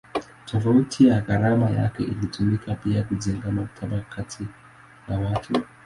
Tofauti ya gharama yake inatumika pia kujenga matabaka kati ya watu.